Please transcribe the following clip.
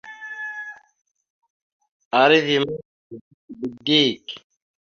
Eriveya ma zʉwe tishiɓe dik.